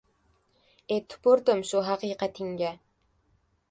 — E, tupurdim, shu haqiqatingga!